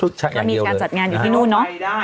เอยรวมอยู่ที่นู่นเนาะ